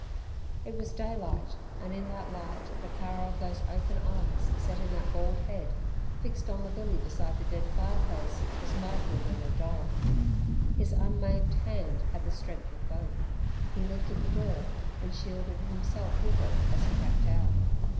It was daylight, and in that light the power of those open eyes set in that bald head, fixed on the billy beside the dead fireplace, was mightier than the dog. His unmaimed hand had the strength of both. He lifted the door and shielded himself with it as he backed out.